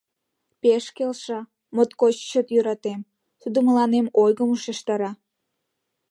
Пеш келша; моткоч чот йӧратем... тудо мыланем ойгым ушештара...